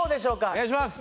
お願いします。